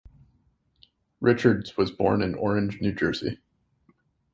Richards was born in Orange, New Jersey.